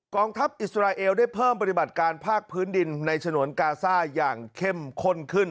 ทัพอิสราเอลได้เพิ่มปฏิบัติการภาคพื้นดินในฉนวนกาซ่าอย่างเข้มข้นขึ้น